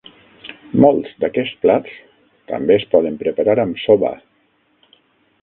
Molts d'aquests plats també es poden preparar amb soba.